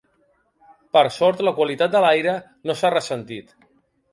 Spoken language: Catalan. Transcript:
Per sort, la qualitat de l’aire no s’ha ressentit.